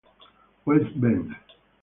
West Bend